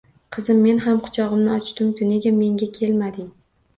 Qizim, men ham kuchog'imni ochdimku, nega menga kel mading?